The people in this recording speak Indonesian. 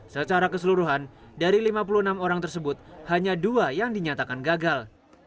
secara keseluruhan dari lima puluh enam orang tersebut hanya dua yang dinyatakan gagal